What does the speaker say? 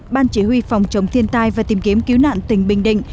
ban chỉ huy phòng chống thiên tai và tìm kiếm cứu nạn tỉnh bình định